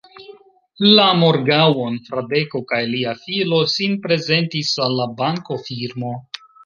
La morgaŭon, Fradeko kaj lia filo sin prezentis al la bankofirmo.